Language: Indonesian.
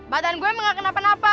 badan gue memang kena penapa